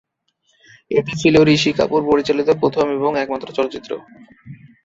এটি ছিলো ঋষি কাপুর পরিচালিত প্রথম এবং একমাত্র চলচ্চিত্র।